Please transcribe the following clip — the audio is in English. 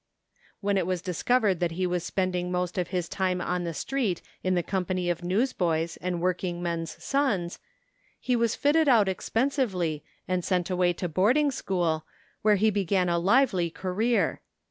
When it was discovered that he was spending most of his time on the street in the company of newsboys and working men's sons, he was fitted out expensively and sent away to boarding school where he began a lively career.